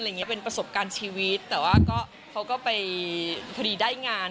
เป็นประสบการณ์ชีวิตแต่ว่าก็เขาก็ไปพอดีได้งาน